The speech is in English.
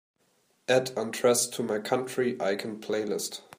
add undressed to my Country Icon playlist